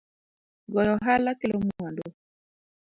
Goyo ohala kelo mwandu